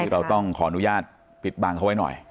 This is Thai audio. เราต้องขออนุญาตปิดบังเขาไว้หน่อย